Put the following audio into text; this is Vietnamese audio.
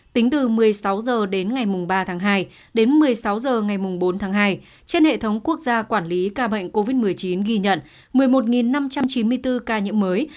tính từ một mươi sáu h đến ngày ba tháng hai đến một mươi sáu h ngày bốn tháng hai trên hệ thống quốc gia quản lý ca bệnh covid một mươi chín ghi nhận một mươi một năm trăm chín mươi bốn ca nhiễm mới